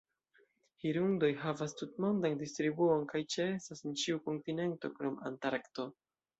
Hirundoj havas tutmondan distribuon, kaj ĉeestas en ĉiu kontinento krom Antarkto.